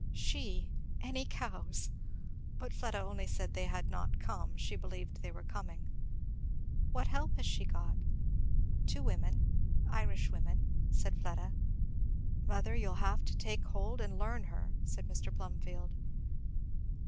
She! any cows! But Fleda only said they had not come; she believed they were coming. "What help has she got?" "Two women Irishwomen," said Fleda. "Mother you'll have to take hold and learn her," said Mr. Plumfield.